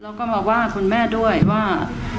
แล้วก็มาว่าคุณแม่ด้วยว่า